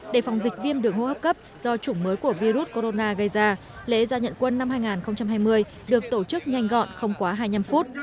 để phòng dịch viêm đường hô hấp cấp do chủng mới của virus corona gây ra lễ giao nhận quân năm hai nghìn hai mươi được tổ chức nhanh gọn không quá hai mươi năm phút